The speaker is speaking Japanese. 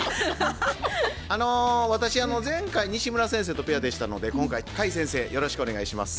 あの私前回西村先生とペアでしたので今回甲斐先生よろしくお願いします。